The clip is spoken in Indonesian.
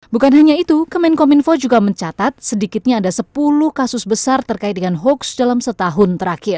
bukan hanya itu kemenkominfo juga mencatat sedikitnya ada sepuluh kasus besar terkait dengan hoax dalam setahun terakhir